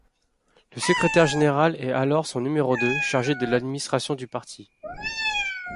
Le secrétaire général est alors son numéro deux, chargé de l'administration du parti.